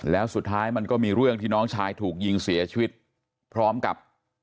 แล้วสุดท้ายมันก็มีเรื่องที่น้องชายถูกยิงเสียชีวิตพร้อมกับ